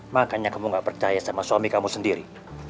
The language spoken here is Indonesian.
makanya kamu gak percaya sama suami kamu sendiri